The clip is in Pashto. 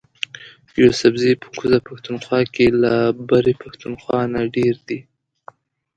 یوسفزي په کوزه پښتونخوا کی له برۍ پښتونخوا نه ډیر دي